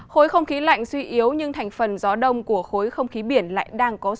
khối không khí lạnh suy yếu nhưng thành phần gió đông của khối không khí biển lại đang có xu hướng